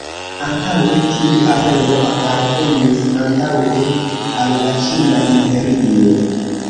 Antaŭe tiu areo apartenis antaŭe al la Ĉina Imperio.